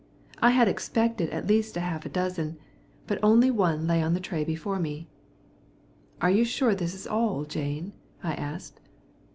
I had expected at least half a dozen, but only one lay on the tray before me. "Are you sure this is all, Jane?" I asked.